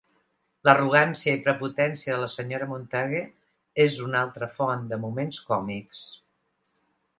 L'arrogància i prepotència de la Sra. Montague és una altra font de moments còmics.